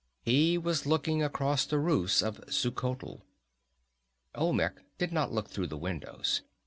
He was looking across the roofs of Xuchotl. Olmec did not look through the windows.